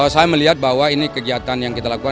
saya melihat bahwa ini kegiatan yang kita lakukan